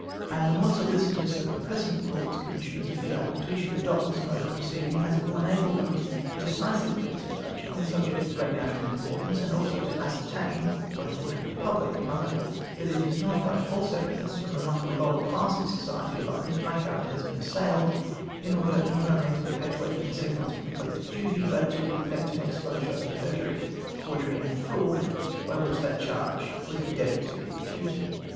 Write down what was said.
I am the more solicitous that the present Lords Commissioners of the Admiralty should adopt this mode of proceeding, as it Avill enable them deci sively to judge on a subject of great national importance, and also to ascertain (what a portion of the public know) that it is not by false evidence from amongst the lower class of society alone that my character has been assailed, in order not only to perpetuate the concealment of neglect of duty, but to prevent an exposure of the perjury, forgery, and fraud by which that charge was endeavoured to l^e refuted.